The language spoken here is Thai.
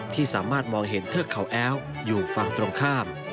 ที่สามารถมองเห็นเทือกเขาแอ้วอยู่ฝั่งตรงข้าม